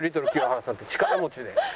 力持ちで。